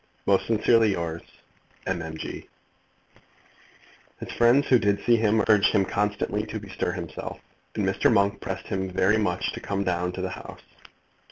Most sincerely yours, M. M. G. His friends who did see him urged him constantly to bestir himself, and Mr. Monk pressed him very much to come down to the House.